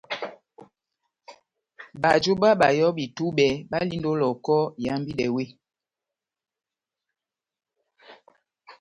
Bajo bá bayɔbi tubɛ balindi ó Lohoko ihambidɛ weh.